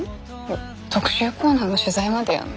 特集コーナーの取材までやんの？